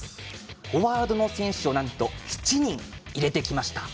フォワードの選手をなんと７人、入れてきました。